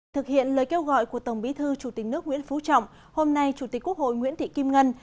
thực hiện lời kêu gọi của tổng bí thư chủ tịch nước nguyễn phú trọng hôm nay chủ tịch quốc hội nguyễn thị kim ngân